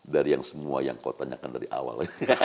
dari yang semua yang kau tanyakan dari awal